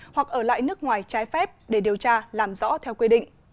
hoặc ở lại nước ngoài trái phép để điều tra làm rõ theo quy định